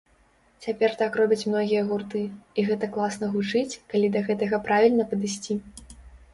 Цяпер так робяць многія гурты, і гэта класна гучыць, калі да гэтага правільна падысці.